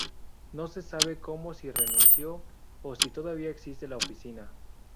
No se sabe cómo si renunció, o si todavía existe la Oficina.